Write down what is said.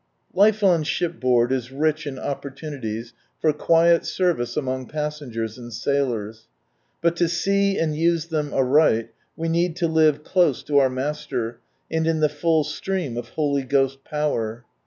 Life on shipboard is rich in opportunities for quiet service among passengers and sailors. But to see and use them aright, we need to live close to our Master, and in the full stream of Holy Ghost Power.